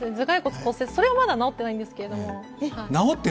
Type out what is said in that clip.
それはまだ治っていないんですけれども。